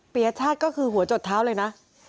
ปียชาติก็คือหัวจดเท้าเลยนะ